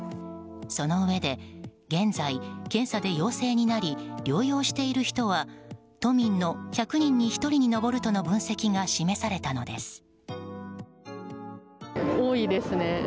そのうえで現在、検査で陽性になり療養している人は都民の１００人に１人に上るとの分析が示されたのです。